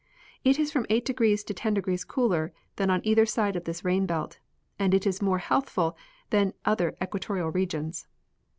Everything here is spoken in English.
It is from 8° to 10° cooler than on either side of this rain belt, and it is more healthful than other equatorial regions.